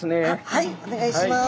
はいお願いします。